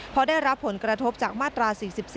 เพราะได้รับผลกระทบจากมาตรา๔๔